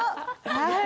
はい。